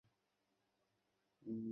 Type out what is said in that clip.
Check কর, ছোটু, এখনি check কর।